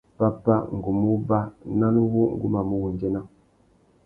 Pápá, ngu mú uba ; nán wu ngu mà mù wundzéna.